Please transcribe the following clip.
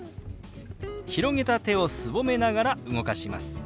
広げた手をすぼめながら動かします。